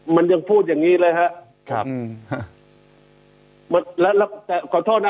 มันยังพูดอย่างงี้เลยฮะครับแล้วแต่ขอโทษนะ